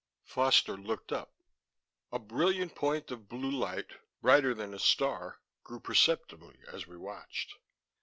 Foster looked up. A brilliant point of blue light, brighter than a star, grew perceptibly as we watched.